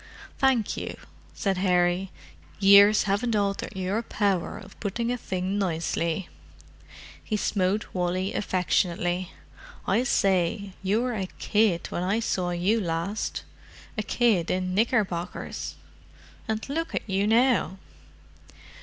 "Thank you," said Harry. "Years haven't altered your power of putting a thing nicely!" He smote Wally affectionately. "I say, you were a kid when I saw you last: a kid in knickerbockers. And look at you now!"